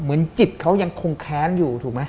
จิตเขายังคงแค้นอยู่ถูกไหม